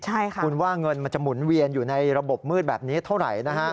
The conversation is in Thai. ใช่ค่ะคุณว่าเงินมันจะหมุนเวียนอยู่ในระบบมืดแบบนี้เท่าไหร่นะฮะ